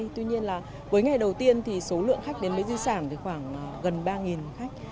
tuy nhiên là với ngày đầu tiên thì số lượng khách đến với di sản thì khoảng gần ba khách